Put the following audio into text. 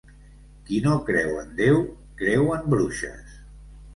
Qui no creu en Déu, creu en bruixes.